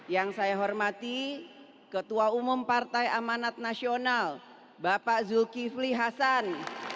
yang saya hormati ketua umum partai amanat nasional bapak zulkifli hasan